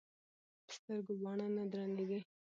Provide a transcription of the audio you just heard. ـ په سترګو باڼه نه درنېږي.